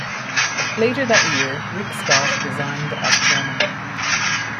Later that year, Rick Scott resigned as chairman.